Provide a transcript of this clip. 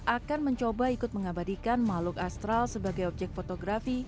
akan mencoba ikut mengabadikan makhluk astral sebagai objek fotografi